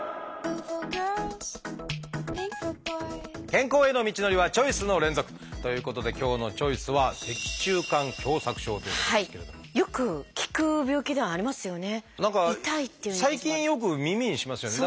健康への道のりはチョイスの連続！ということで今日の「チョイス」はよく聞く病気ではありますよね。